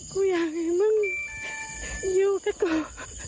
กูอยากให้มึงอยู่กันก่อน